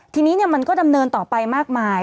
ทีนี้มันก็ดำเนินต่อไปมากมาย